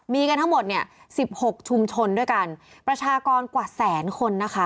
มีกันทั้งหมดเนี่ยสิบหกชุมชนด้วยกันประชากรกว่าแสนคนนะคะ